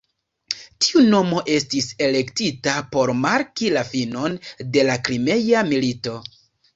Tiu nomo estis elektita por marki la finon de la Krimea milito.